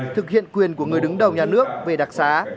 thực hiện quyền của người đứng đầu nhà nước về đặc xá